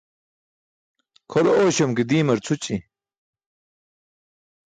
khole oośam ke diimar cʰući.